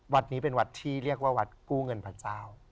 วัดนี้เป็นวัดที่เรียกว่าวัดกู้เงินพระเจ้า